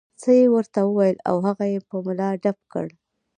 څه یې ورته وویل او هغه یې په ملا ډب کړ.